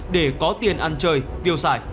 để có tổng hợp